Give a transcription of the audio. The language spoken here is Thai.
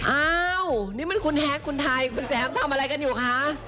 อ้าวนี่มันคุณแฮกคุณไทยคุณแจ๊บทำอะไรกันอยู่คะ